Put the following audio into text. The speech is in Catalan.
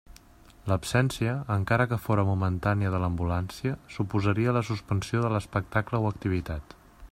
L'absència, encara que fóra momentània de l'ambulància, suposaria la suspensió de l'espectacle o activitat.